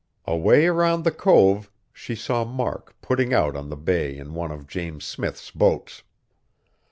Away around the cove, she saw Mark putting out on the bay in one of James Smith's boats.